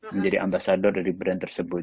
menjadi ambasador dari brand tersebut